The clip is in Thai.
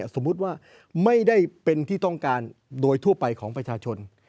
สมมุติว่าไม่ได้เป็นที่ต้องการโดยทั่วไปของประชาชน